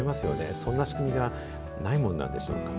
そんな仕組みがないもんなんでしょうかね。